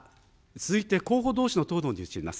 続いて、候補どうしの討論に移ります。